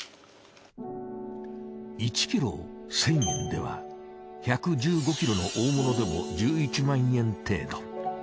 １ｋｇ１，０００円では１１５ｋｇの大物でも１１万円程度。